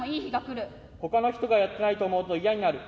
「ほかの人がやってないと思うと嫌になる」。